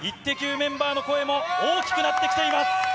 メンバーの声も大きくなってきています。